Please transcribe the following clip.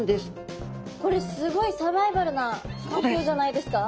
これすごいサバイバルな環境じゃないですか。